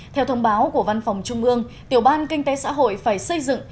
theo thông báo của văn phòng trung ương tiểu ban kinh tế xã hội phải xây dựng